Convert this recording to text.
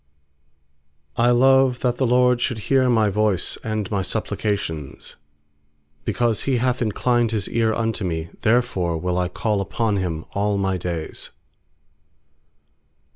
1 1 ft I love that the LORD shoulc 110 hear My voice and my supplications. 2Because He hath inclined His eai unto me, Therefore will I call upon Him all my days.